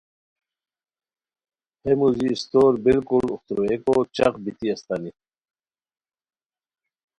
ہے موژی استور بالکل اوختروئیکو چق بیتی استانی